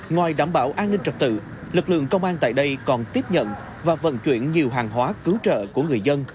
ngoài đảm bảo an ninh trật tự lực lượng công an tại đây còn tiếp nhận và vận chuyển nhiều hàng hóa cứu trợ của người dân